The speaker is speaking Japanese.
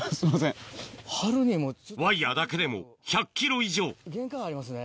ワイヤだけでも１００ｋｇ以上限界ありますね。